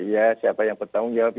ya siapa yang bertanggung jawab